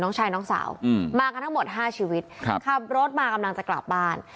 น้องชายน้องสาวมากันทั้งหมดห้าชีวิตครับขับรถมากำลังจะกลับบ้าน